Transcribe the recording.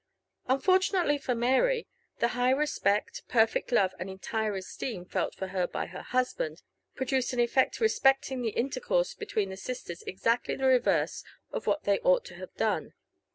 Unfortunately for Mary, the high respect, perfect love, and entire esteem felt for her by her husband produced an effect respecting the intercourse between the sisters exactly the reverse of what they ought to have done.